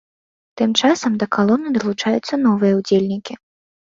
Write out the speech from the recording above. Тым часам да калоны далучаюцца новыя ўдзельнікі.